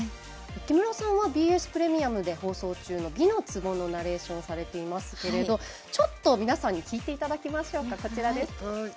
木村さんはＢＳプレミアムで放送中の「美の壺」のナレーションをされていますがちょっと皆さんに聞いていただきましょう。